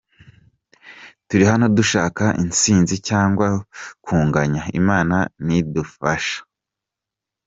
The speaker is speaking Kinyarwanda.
Turi hano dushaka intsinzi cyangwa kunganya Imana nidufasha.”